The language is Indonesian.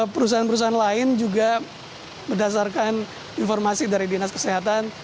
perusahaan perusahaan lain juga berdasarkan informasi dari dinas kesehatan